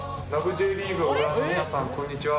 Ｊリーグ』をご覧の皆さんこんにちは。